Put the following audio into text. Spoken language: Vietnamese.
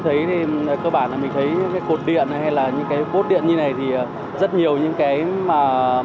kể trước tôi thấy cơ bản là mình thấy cái cột điện hay là những cái cốt điện như này thì rất nhiều những cái mà